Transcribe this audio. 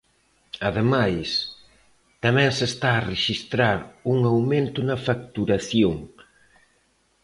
Ademais, tamén se está a rexistrar un aumento na facturación.